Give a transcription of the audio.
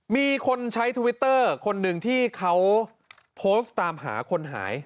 มีคนใช้ทวิตเตอร์คนหนึ่งที่เขาโพสต์ตามหาคนหาย